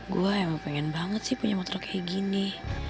gue emang pengen banget sih punya motor kayak gini